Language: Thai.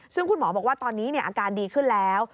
ซึ่งคุณหมอบอกว่าตอนนี้อาการดีขึ้นแล้ว